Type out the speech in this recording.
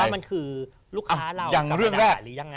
ว่ามันคือลูกค้าเราอย่างเรื่องแรก